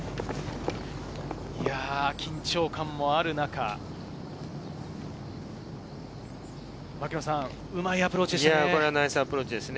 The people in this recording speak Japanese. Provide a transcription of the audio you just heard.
緊張感もある中、うまいアプローチでしたね。